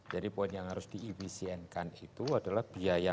jadi poin yang harus diefisiensikan itu adalah penyelenggaraan